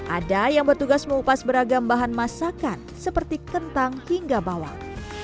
ada yang bertugas mengupas beragam bahan masakan seperti kentang hingga bawang